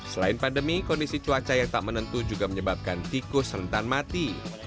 selain pandemi kondisi cuaca yang tak menentu juga menyebabkan tikus rentan mati